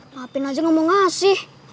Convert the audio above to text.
maafin aja ga mau ngasih